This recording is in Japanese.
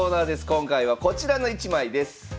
今回はこちらの１枚です。